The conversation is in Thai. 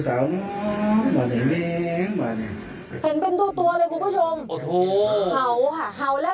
ตัวมันดำยึบอยู่ตางน้ำหัว